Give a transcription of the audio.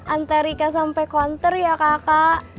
antarika sampai konter ya kakak